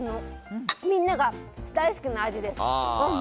みんなが大好きな味です。